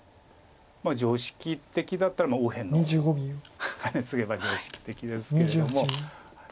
常識的だったら右辺の方ハネツゲば常識的ですけれども。